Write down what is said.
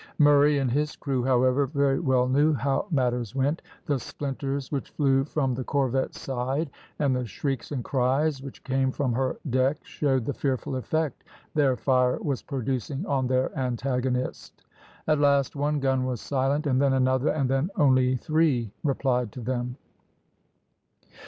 Murray and his crew, however, very well knew how matters went. The splinters which flew from the corvette's side, and the shrieks and cries which came from her deck showed the fearful effect their fire was producing on their antagonist. At last one gun was silent, and then another, and then only three replied to them.